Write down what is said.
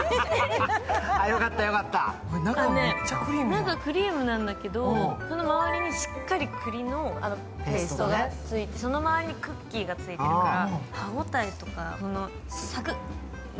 中、クリームなんだけどその周りにしっかり栗のペーストがついてその周りにクッキーがついてるから。